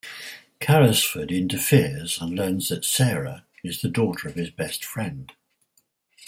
Carrisford interferes and learns that Sara is the daughter of his best friend.